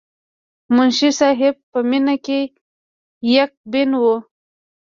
منشي صېب پۀ مينه کښې يک بين وو،